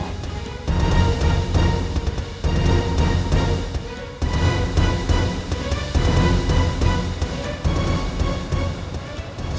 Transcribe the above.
bisa jadi apa